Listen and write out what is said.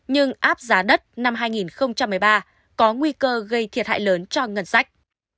nhưng áp giá đất năm hai nghìn một mươi ba có nguy cơ gây thiệt hại lớn cho ngân sách